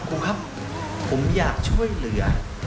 ครูครับผมอยากช่วยเหลือ